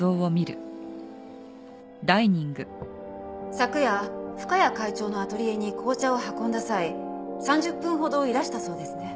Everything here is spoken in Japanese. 昨夜深谷会長のアトリエに紅茶を運んだ際３０分ほどいらしたそうですね？